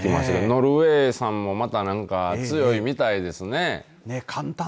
ノルウェーさんも強いみたいですね。